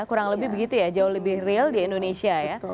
kurang lebih begitu ya jauh lebih real di indonesia ya